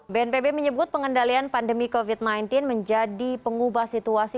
bnpb menyebut pengendalian pandemi covid sembilan belas menjadi pengubah situasi